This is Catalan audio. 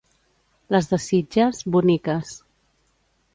Les de Sitges, boniques.